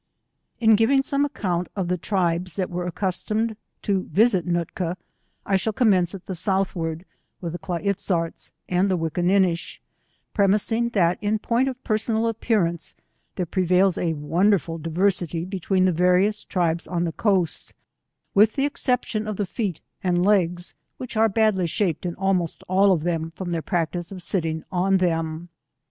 ^ In giving some account of the tribes that were accustomed to visit Nootka, I shall commence at the Southward with the Kla iz zarts, and the Wick ininish, premising that in point of personal appear ance there prevails a wonderful diversity between the various tribes on the coast, with the exception of the feet and legs, which are badly shaped in almost all of them from their practice of sitting on them.